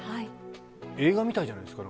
映画みたいじゃないですか。